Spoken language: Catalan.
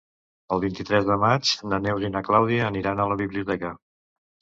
El vint-i-tres de maig na Neus i na Clàudia aniran a la biblioteca.